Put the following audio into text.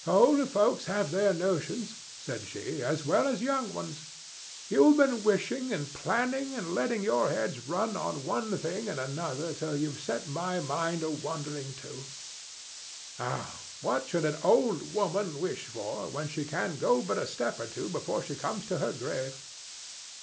"Old folks have their notions," said she, "as well as young ones. You've been wishing and planning and letting your heads run on one thing and another till you've set my mind a wandering too. Now, what should an old woman wish for, when she can go but a step or two before she comes to her grave?